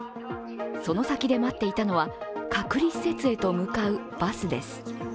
その先で待っていたのは、隔離施設へと向かうバスです。